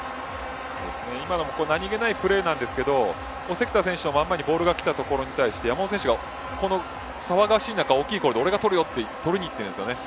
今の何気ないプレーですが関田選手の前にボールがきたところに対して山本選手が騒がしい中大きい声で俺がとるよと言っているんですよね。